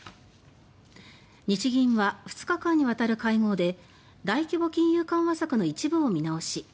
日銀は２日間にわたる会合で大規模金融緩和策の一部を見直し